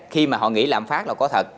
khi mà họ nghĩ lãm phát là có thật